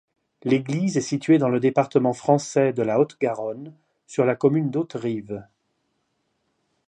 L'église est située dans le département français de la Haute-Garonne, sur la commune d'Auterive.